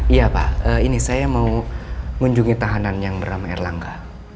ya pak ini saya mau munjungi tahanan yang beramai r langga